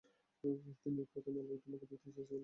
দিনের প্রথম আলোয় তোমাকে দেখতে চেয়েছিলাম তুমি এলে না।